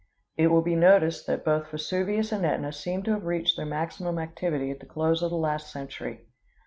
It will be noticed that both Vesuvius and Ætna seem to have reached their maximum activity at the close of the last century.